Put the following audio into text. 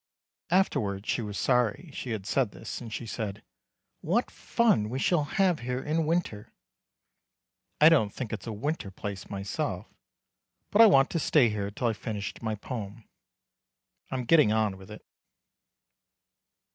Afterwards she was sorry she had said this and she said: "What fun we shall have here in winter." I don't think it's a winter place myself, but I want to stay here till I've finished my poem. I'm getting on with it.